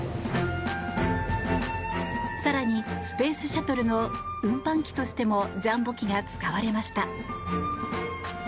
更に、スペースシャトルの運搬機としてもジャンボ機が使われました。